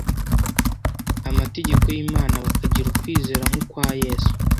amategeko y imana bakagira kwizera nk ukwa yesu